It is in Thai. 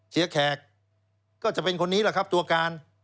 แขกก็จะเป็นคนนี้แหละครับตัวการ